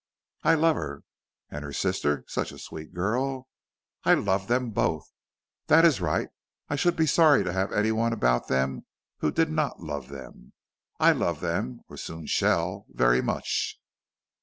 "I love her." "And her sister such a sweet girl!" "I love them both." "That is right. I should be sorry to have any one about them who did not love them. I love them, or soon shall, very much."